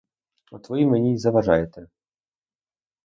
От ви мені й заважаєте.